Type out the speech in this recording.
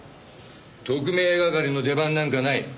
特命係の出番なんかない。